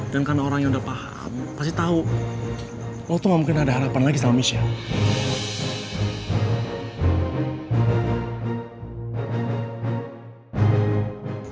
dan karena orang yang udah paham pasti tau lo tuh gak mungkin ada harapan lagi sama michelle